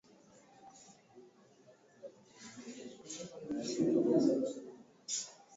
Jacob alipunguza mwendo akiwa anaangaza angaza nje walizunguka hadi alipoona alichokuwa anakitafuta